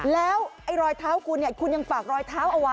แล้วรอยเท้าคุณคุณยังฝากรอยเท้าเอาไว้